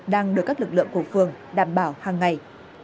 đang được các lực lượng của phường đảm bảo hàng ngày